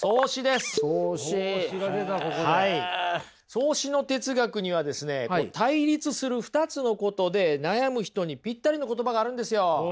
荘子の哲学にはですね対立する２つのことで悩む人にぴったりの言葉があるんですよ。